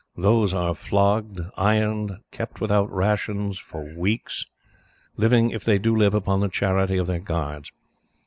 These are flogged, ironed, and kept without rations for weeks living, if they do live, upon the charity of their guards.